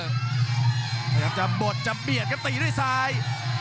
พยายามจะบดจะเบียดครับตีด้วยซ้าย